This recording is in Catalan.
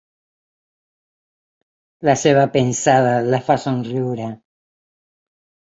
La seva pensada la fa somriure.